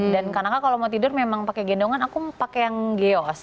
dan kanaka kalau mau tidur memang pakai gendongan aku pakai yang geos